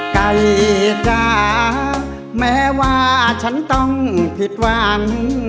ไก่จ๋าแม้ว่าฉันต้องผิดหวัง